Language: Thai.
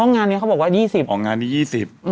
ห้องงานนี้เขาบอกว่า๒๐อ๋อห้องงานนี้๒๐